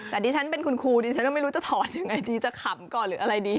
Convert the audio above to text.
แต่ดิฉันเป็นคุณครูดิฉันก็ไม่รู้จะถอนยังไงดีจะขำก่อนหรืออะไรดี